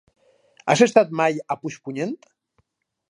Has estat mai a Puigpunyent?